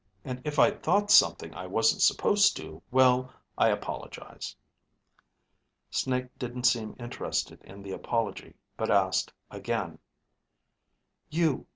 "And if I thought something I wasn't supposed to, well, I apologize." Snake didn't seem interested in the apology, but asked again, _You